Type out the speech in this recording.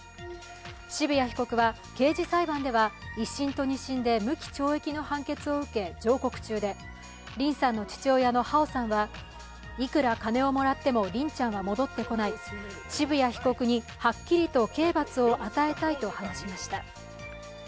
渋谷被告は刑事裁判では、一審と二審で無期懲役の判決を受け、上告中でリンさんの父親のハオさんは、いくら金をもらってもリンちゃんは戻ってこない、渋谷被告にはっきりと刑罰を与えたいと話しました。